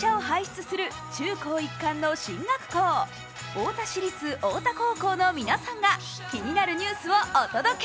太田市立太田高校の皆さんが気になるニュースをお届け！